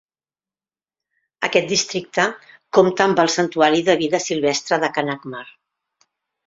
Aquest districte compta amb el Santuari de vida silvestre de Achanakmar.